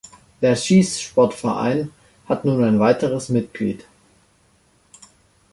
Der Schiesssportverein hat nun ein weiteres Mitglied.